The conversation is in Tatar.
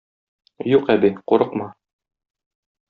Юк, әби, курыкма.